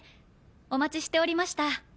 お待ちしておりました。